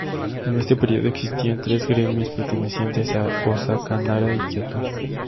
En este período existían tres gremios pertenecientes a Osaka, Nara y Kioto.